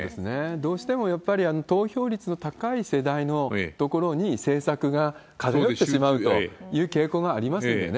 どうしてもやっぱり投票率の高い世代のところに政策が偏ってしまうという傾向がありますよね。